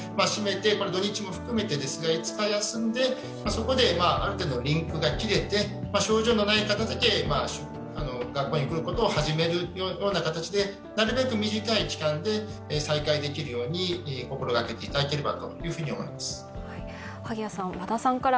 土日も含めて、５日休んで、そこである程度リンクが切れて、症状のない方だけ学校に来ることを始めるような形でなるべく短い期間で再開できるように心がけていただければと思います。